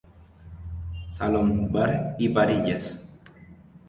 Salón-Bar y parrillas.